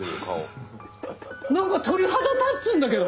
何か鳥肌立つんだけど。